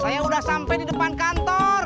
saya udah sampe di depan kantor